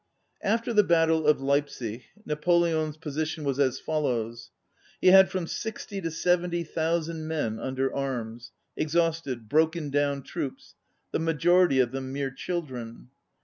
After the battle of Leipzig, Na poleon's position was as follows: He had from sixty to seventy thou sand men under arms, ŌĆö exhausted, broken down troops, the majority of them mere children.